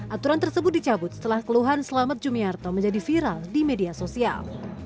aturan tersebut dicabut setelah keluhan selamat jumiarto menjadi viral di media sosial